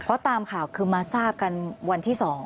เพราะตามข่าวคือมาทราบกันวันที่๒